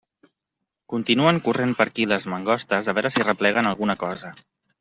Continuen corrent per aquí les mangostes a veure si arrepleguen alguna cosa.